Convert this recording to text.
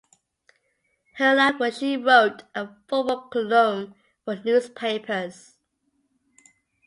Her line was she wrote a football column for newspapers.